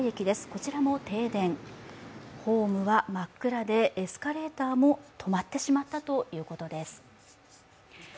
こちらも停電、ホームは真っ暗でエスカレーターも止まってしまったということです。